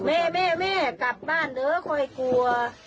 แม่แม่กลับบ้านเด้อคอยกลัว